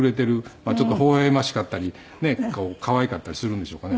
まあちょっと微笑ましかったりねえ可愛かったりするんでしょうかね。